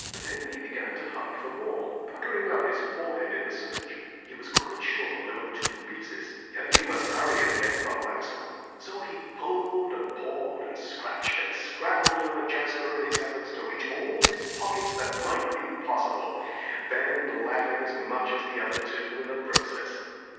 Then he began to hunt for more, puckering up his forehead in the search. He was quite sure there were two pieces, and he must hurry and get the last one. So he pulled and pawed and scratched and scrabbled over Jasper in his efforts to reach all his pockets that might be possible, Ben laughing as much as the other two in the process.